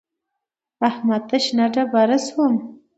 احمد ته شنه ډبره شوم.